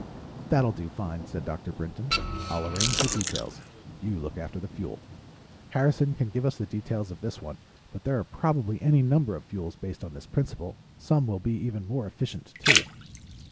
"That'll do fine," said Dr. Brinton. "I'll arrange the details. You look after the fuel. Harrison can give us the details of this one, but there are probably any number of fuels based on this principal. Some will be even more efficient, too."